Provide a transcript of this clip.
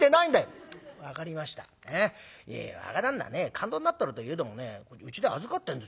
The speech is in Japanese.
勘当になってるっていえどもねうちで預かってんですよ。